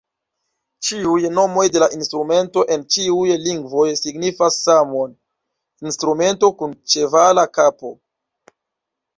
Ĉiuj nomoj de la instrumento en ĉiuj lingvoj signifas samon: "instrumento kun ĉevala kapo".